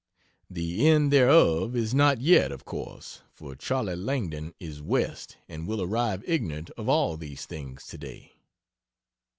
(The end thereof is not yet, of course, for Charley Langdon is West and will arrive ignorant of all these things, today.)